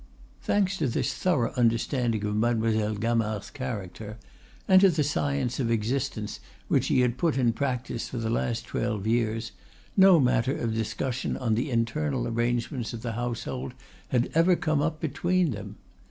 Thanks to this thorough understanding of Mademoiselle Gamard's character, and to the science of existence which he had put in practice for the last twelve years, no matter of discussion on the internal arrangements of the household had ever come up between them.